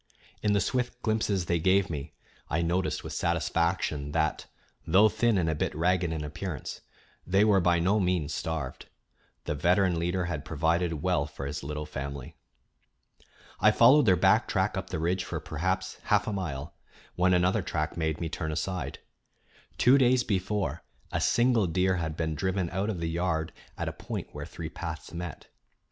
In the swift glimpses they gave me I noticed with satisfaction that, though thin and a bit ragged in appearance, they were by no means starved. The veteran leader had provided well for his little family. I followed their back track up the ridge for perhaps half a mile, when another track made me turn aside. Two days before, a single deer had been driven out of the yard at a point where three paths met.